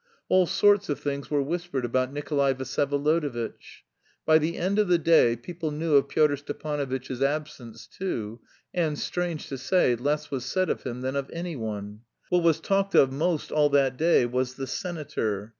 All sorts of things were whispered about Nikolay Vsyevolodovitch. By the end of the day people knew of Pyotr Stepanovitch's absence too, and, strange to say, less was said of him than of anyone. What was talked of most all that day was "the senator."